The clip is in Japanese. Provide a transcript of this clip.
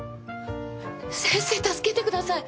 先生助けてください。